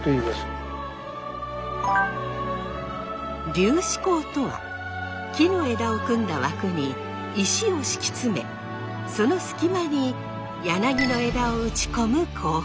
柳枝工とは木の枝を組んだ枠に石を敷き詰めその隙間に柳の枝を打ち込む工法。